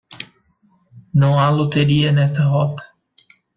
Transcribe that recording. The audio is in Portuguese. Não há loteria nesta rota.